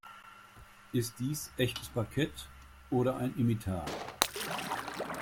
Ist dies echtes Parkett oder ein Imitat?